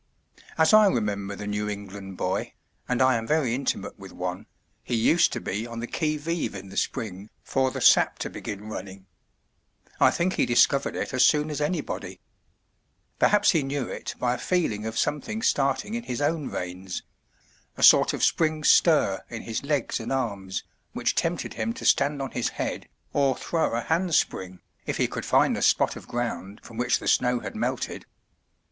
As I remember the New England boy (and I am very intimate with one), he used to be on the qui vive in the spring for the sap to begin running. I think he discovered it as soon as any body. Perhaps he knew it by a feeling of something starting in his own veins, — a sort of spring stir in his legs and arms, which tempted him to stand on his head, or throw a handspring, if he could find a spot of ground from which the snow had melted.